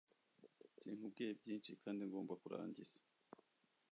Sinkubwiye byinshi kandi ngomba kurangiza